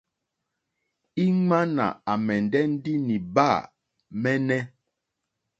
Ìŋmánà à mɛ̀ndɛ́ ndí nìbâ mɛ́ɛ́nɛ́.